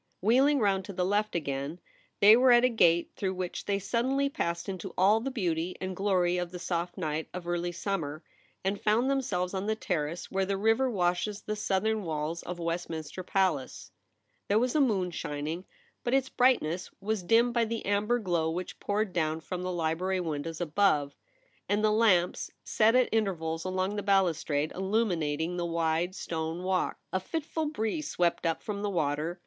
Wheeling round to the left again, they were at a gate through which they suddenly passed into all the beauty and glory of the soft night of early summer, and found themselves on the Terrace where the river washes the southern walls of Westmin ster Palace. There was a moon shining, 42 THE REBEL ROSE. but its brightness was dimmed by the amber glow which poured down from the library windows above, and the lamps set at intervals along the balustrade illuminating the wide stone walk. A fitful breeze swept up from the water.